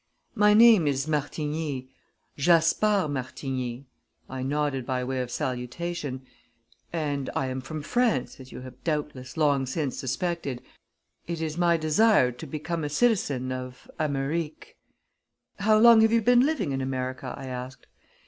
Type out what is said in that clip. "My name is Martigny Jasper Martigny" I nodded by way of salutation "and I am from France, as you have doubtless long since suspected. It is my desire to become a citizen of Amer ric'." "How long have you been living in America?" I asked.